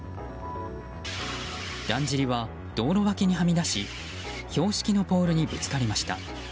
だんじりは道路脇にはみだし標識のポールにぶつかりました。